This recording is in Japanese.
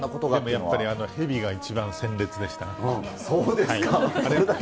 やっぱりへびが一番鮮烈でしたね。